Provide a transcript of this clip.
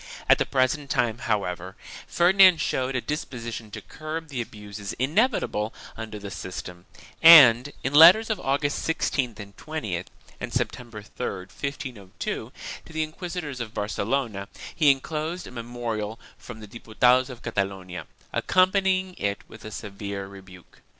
At the present time, however, Ferdinand showed a disposition to curb the abuses inevitable under the system and, in letters of August 16th and 20th and September 3, 1502, to the inquisitors of Barcelona, he enclosed a memorial from the Diputados of Catalonia, accom panying it with a severe rebuke.